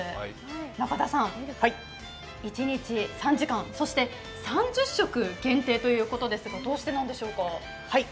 中田さん、一日３時間、そして３０食限定ということですがどうしてなんでしょうか？